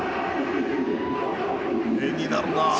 絵になるなぁ。